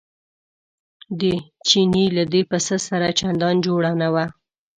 د چیني له دې پسه سره چندان جوړه نه وه.